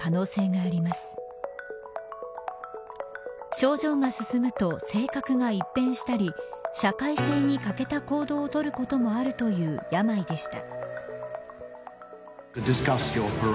症状が進むと性格が一変したり社会性に欠けた行動を取ることもあるという病でした。